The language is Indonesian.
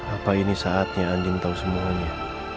apa ini saatnya andin tahu semuanya